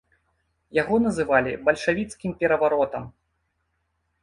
Яго называлі бальшавіцкім пераваротам.